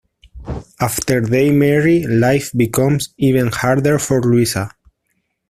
After they marry life becomes even harder for Luisa.